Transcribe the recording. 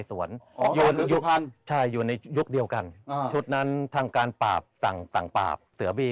คนเจอบ่อยสุดก็มีเซอร์บี้